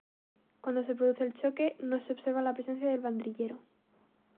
Cuando se produce el choque, no se observa la presencia del banderillero.